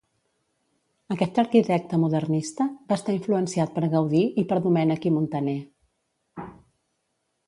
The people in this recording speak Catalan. Aquest arquitecte modernista va estar influenciat per Gaudí i per Domènec i Muntaner.